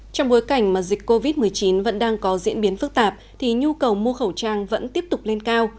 trong bối cảnh mà dịch covid một mươi chín vẫn đang có diễn biến phức tạp thì nhu cầu mua khẩu trang vẫn tiếp tục lên cao